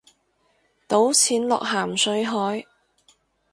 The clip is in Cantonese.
倒錢落咸水海